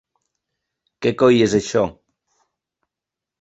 Què coi és això?